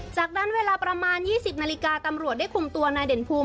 จากนั้นเวลาประมาณ๒๐นาฬิกาตำรวจได้คุมตัวนายเด่นภูมิ